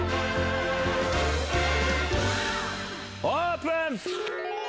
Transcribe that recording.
オープン！